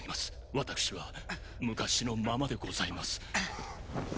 私は昔のままでございます